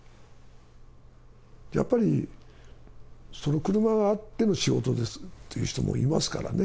やっぱりその車があっての仕事ですっていう人もいますからね。